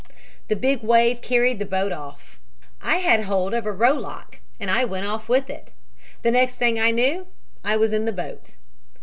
"The big wave carried the boat off. I had hold of a row lock and I went off with it. The next I knew I was in the boat.